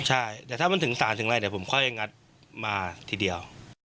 ใช่แต่ถ้ามันถึงสารถึงอะไรเดี๋ยวผมค่อยงัดมาทีเดียว